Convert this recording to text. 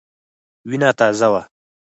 وینه تازه وه.